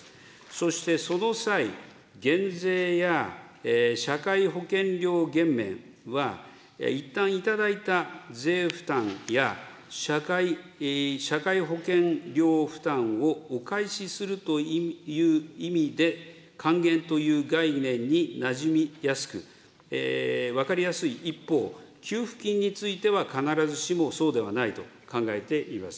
そしてその際、減税や社会保険料減免は、いったん頂いた税負担や社会保険料負担をお返しするという意味で還元という概念になじみやすく、分かりやすい一方、給付金については必ずしもそうではないと考えています。